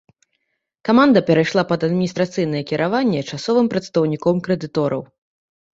Каманда перайшла пад адміністрацыйнае кіраванне часовым прадстаўніком крэдытораў.